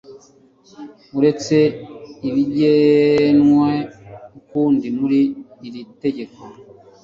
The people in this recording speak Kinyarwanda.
uretse ibigenwe ukundi muri iri tegeko